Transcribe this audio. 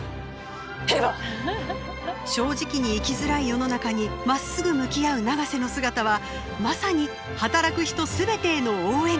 正直に生きづらい世の中にまっすぐ向き合う永瀬の姿はまさに働く人全てへの応援歌。